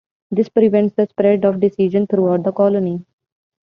This prevents the spread of disease throughout the colony.